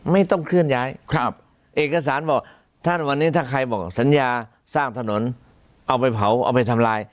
ไม่ต้องเคลื่อนย้ายครับเอกสารบอกท่านวันนี้ถ้าใครบอกสัญญาสร้างถนนเอาไปเผาเอาไปทำลาย